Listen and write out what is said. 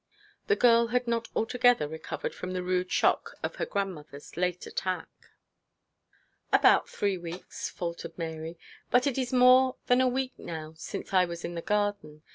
The girl had not altogether recovered from the rude shock of her grandmother's late attack. 'About three weeks,' faltered Mary. 'But it is more than a week now since I was in the garden.